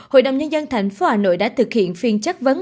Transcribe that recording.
hội đồng nhân dân thành phố hà nội đã thực hiện phiên chắc vấn